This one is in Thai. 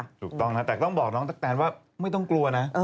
ถูกต้องนะแต่ต้องบอกน้องตะแตนว่าไม่ต้องกลัวนะ